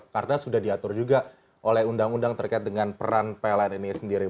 karena itu sudah diatur juga oleh undang undang terkait dengan peran dpln ini sendiri